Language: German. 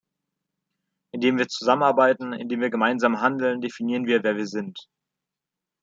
Indem wir zusammenarbeiten, indem wir gemeinsam handeln, definieren wir, wer wir sind.